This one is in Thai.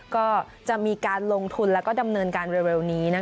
ก็จะมีการลงทุนแล้วก็ดำเนินการเร็วนี้